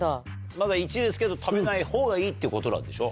まだ１ですけど食べない方がいいってことなんでしょ？